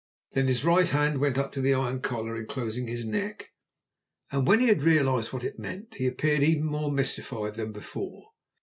Then his right hand went up to the iron collar enclosing his neck, and when he had realized what it meant he appeared even more mystified than before.